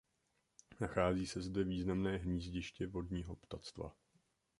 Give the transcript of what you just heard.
Nachází se zde významné hnízdiště vodního ptactva.